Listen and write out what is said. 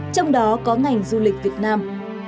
trong đó có ngành du lịch việt nam